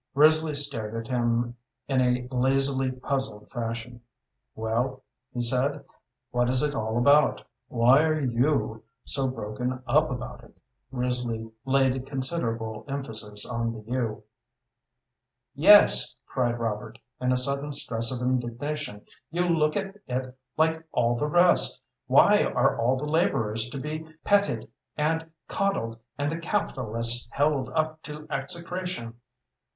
Risley stared at him in a lazily puzzled fashion. "Well," he said, "what is it all about? Why are you so broken up about it?" Risley laid considerable emphasis on the you. "Yes," cried Robert, in a sudden stress of indignation. "You look at it like all the rest. Why are all the laborers to be petted and coddled, and the capitalists held up to execration?